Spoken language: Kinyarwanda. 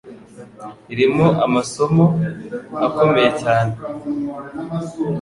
irimo amasomo akomeye cyane